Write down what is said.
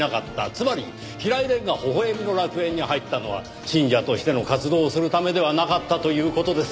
つまり平井蓮が微笑みの楽園に入ったのは信者としての活動をするためではなかったという事です。